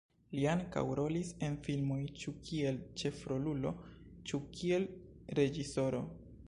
Li ankaŭ rolis en filmoj, ĉu kiel ĉefrolulo, ĉu kiel reĝisoro.